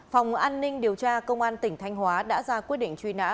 phòng an ninh điều tra công an tỉnh thanh hóa đã ra quyết định truy nã